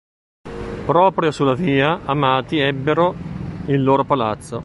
Proprio sulla via Amati ebbero il loro palazzo.